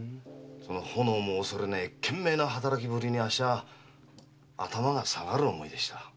炎も恐れない懸命な働きぶりに頭が下がる思いでした。